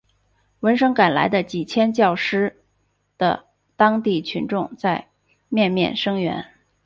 闻声赶来的几千教师的当地群众在面面声援。